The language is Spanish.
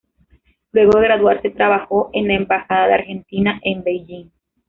Luego de graduarse trabajó en la Embajada de Argentina en Beijing.